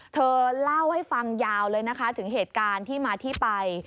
เธอเล่าให้ฟังยาวเลยนะคะถึงเหตุการณ์ที่มาที่ไป